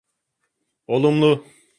Olumlu.